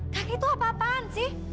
kaki itu apa apaan sih